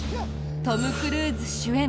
トム・クルーズ主演